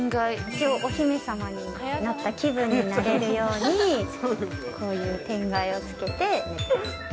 一応お姫様になった気分になれるように、こういう天蓋をつけて、寝てる。